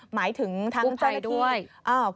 หมายถึงทางเจ้าหน้าที่กู้ภัยด้วย